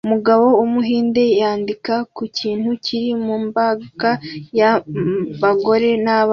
Umugabo wumuhinde yandika ku kintu kiri mu mbaga y’abagore n’abana